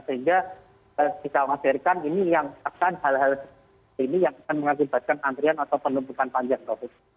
sehingga kita mengasirkan ini yang akan hal hal ini yang akan mengakibatkan antrian atau penumpukan panjang covid sembilan belas